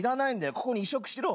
ここに移植しろ。